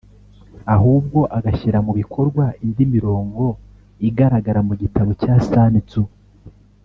ahubwo agashyira mu bikorwa indi mirongo igaragara mu gitabo cya Sun Tzu